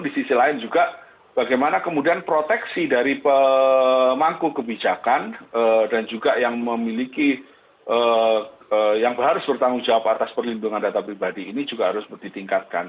di sisi lain juga bagaimana kemudian proteksi dari pemangku kebijakan dan juga yang memiliki yang harus bertanggung jawab atas perlindungan data pribadi ini juga harus ditingkatkan